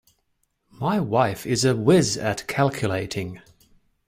My wife is a whiz at calculating